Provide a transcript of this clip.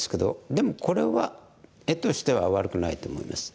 でもこれは絵としては悪くないと思います。